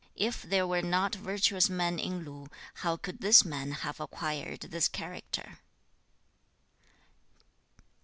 If there were not virtuous men in Lu, how could this man have acquired this character?'